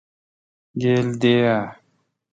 گیل دے اؘ۔